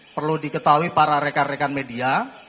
perlu diketahui para rekan rekan media